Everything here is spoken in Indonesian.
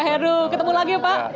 pak heru ketemu lagi pak